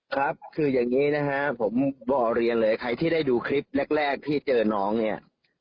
ครับคืออย่างนี้นะฮะผมบอกเรียนเลยใครที่ได้ดูคลิปแรกที่เจอน้องเนี่ย